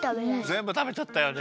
ぜんぶたべちゃったよね。